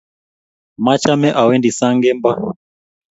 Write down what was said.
Machame awendi sang' kemboi